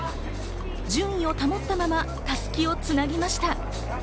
順位を保ったまま襷をつなぎました。